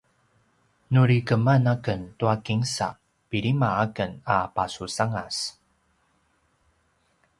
nuri keman aken tua kinsa pilima aken a pasusangas